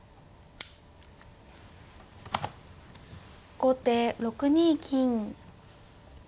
後手６二金。